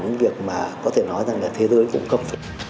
nhưng việc mà có thể nói rằng là thế giới cung cấp